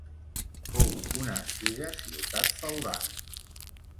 Fou una antiga ciutat feudal.